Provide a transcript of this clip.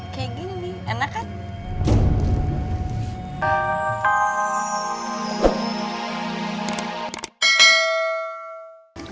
kayak gini enak kan